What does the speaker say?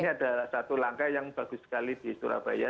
ini adalah satu langkah yang bagus sekali di surabaya